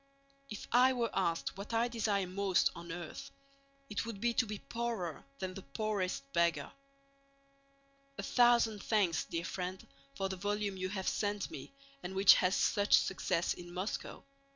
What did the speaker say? If I were asked what I desire most on earth, it would be to be poorer than the poorest beggar. A thousand thanks, dear friend, for the volume you have sent me and which has such success in Moscow.